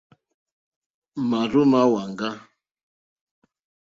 Máàrzó má hwánà.